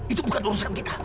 itu bukan urusan kita